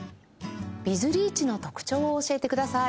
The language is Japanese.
ビズリーチの特徴を教えてください。